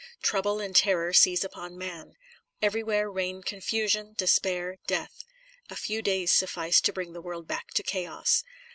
Trouble and terror seize upon man. Everywhere reign confusion, despair, death ; a few days suffice to bring the world back to chaos.